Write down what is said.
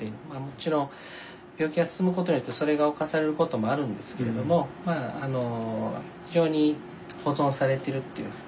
もちろん病気が進む事によってそれが侵される事もあるんですけれども非常に保存されてるっていう。